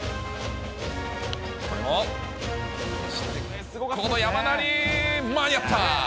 これも、この山なり、間に合った。